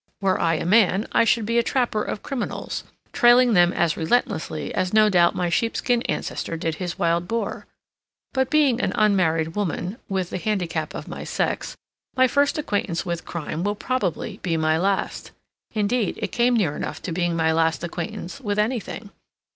Were I a man I should be a trapper of criminals, trailing them as relentlessly as no doubt my sheepskin ancestor did his wild boar. But being an unmarried woman, with the handicap of my sex, my first acquaintance with crime will probably be my last. Indeed, it came near enough to being my last acquaintance with anything.